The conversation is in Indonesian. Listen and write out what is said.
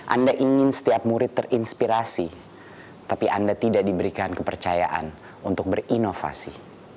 anda ingin setiap murid terinspirasi tapi anda tidak diberikan kepercayaan untuk berinovasi